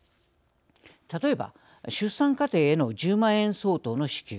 例えば出産家庭への１０万円相当の支給。